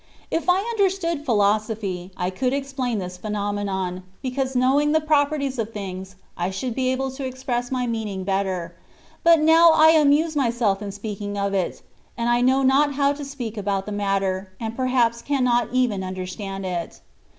If I understood philosophy, I could explain this phe nomenon, because knowing the properties of things, I should be able to express my meaning better ; but now I amuse myself in speaking of it, and I know not how to speak about the matter, and perhaps cannot even understand it.